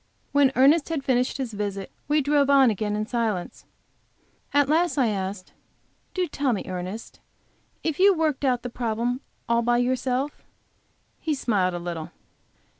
When Ernest had finished his visit we drove on again in silence. At last, I asked: "Do tell me, Ernest, if you worked out this problem all by yourself?" He smiled a little.